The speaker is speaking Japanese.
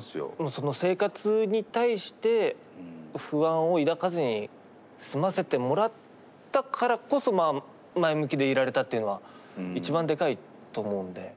その生活に対して不安を抱かずに済ませてもらったからこそまあ前向きでいられたっていうのは一番でかいと思うんで。